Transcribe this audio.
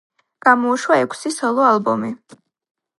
გამოუშვა ექვსი სოლო ალბომი.